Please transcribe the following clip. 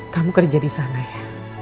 kamu kerja disana ya